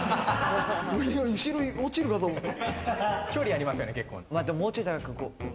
後ろに落ちるかと思った。